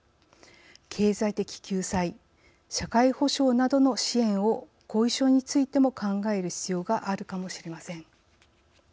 経済的救済社会保障などの支援を後遺症についても考える必要があるかもしれません。